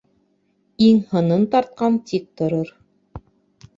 Иң-һынын тартҡан тик торор.